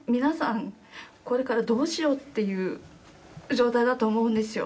これからどうしようっていう状態だと思うんですよ。